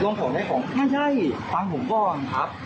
ของได้ของใช่ฟังผมก่อนครับ